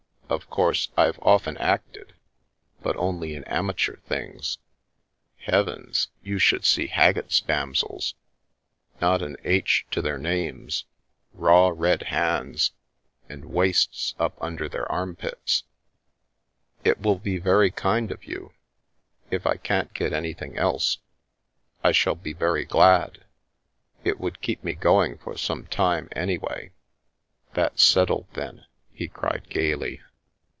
Of course, I've often acted, but only in amateur things "" Heavens ! You should see Haggett's damsels ! Not an 'h' to their names, raw red hands, and waists up under their armpits !"" It will be very kind of you, if I can't get anything else. I shall be very glad. It would keep me going for some time, anyway !" "That's settled then!" he cried gaily.